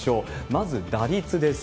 まず打率です。